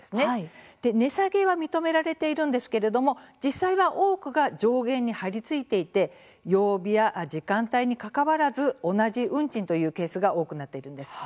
値下げは認められているんですけれども実際は多くが上限に張り付いていて曜日や時間帯にかかわらず同じ運賃というケースが多くなっているんです。